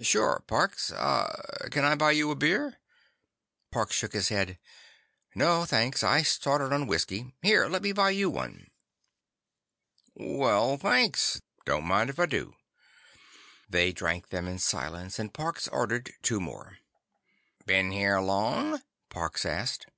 "Sure, Parks. Uh—can I buy you a beer?" Parks shook his head. "No, thanks. I started on whiskey. Here, let me buy you one." "Well—thanks. Don't mind if I do." They drank them in silence, and Parks ordered two more. "Been here long?" Parks asked.